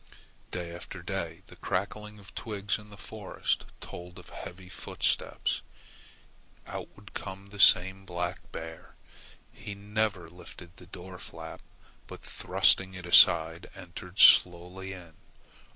Day after day the crackling of twigs in the forest told of heavy footsteps. Out would come the same black bear. He never lifted the door flap, but thrusting it aside entered slowly in.